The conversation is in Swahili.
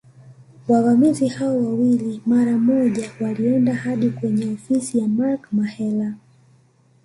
Wavamizi hao wawili mara moja walienda hadi kwenye ofisi ya Mark Mahela